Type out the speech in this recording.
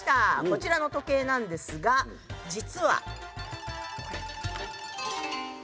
こちらの時計なんですが実はこれ。